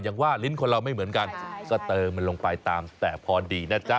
ว่าลิ้นคนเราไม่เหมือนกันก็เติมมันลงไปตามแต่พอดีนะจ๊ะ